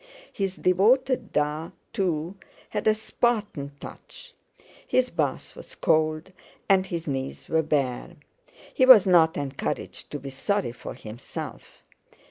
His devoted "Da," too, had a Spartan touch. His bath was cold and his knees were bare; he was not encouraged to be sorry for himself.